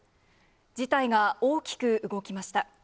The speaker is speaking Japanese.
事態が大きく動きました。